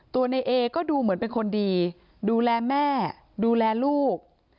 ตัวในเอก็ดูเหมือนเป็นคนดีดูแลแม่ดูแลลูก